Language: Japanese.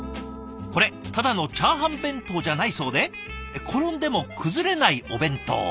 これただのチャーハン弁当じゃないそうで「転んでも崩れないお弁当」。